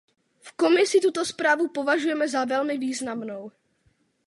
V Komisi tuto zprávu považujeme za velmi významnou.